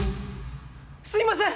すいません！